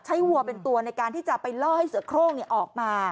วัวเป็นตัวในการที่จะไปล่อให้เสือโครงออกมา